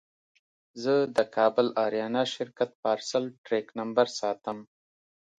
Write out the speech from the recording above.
زه د کابل اریانا شرکت پارسل ټرېک نمبر ساتم.